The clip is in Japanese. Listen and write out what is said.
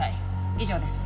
以上です。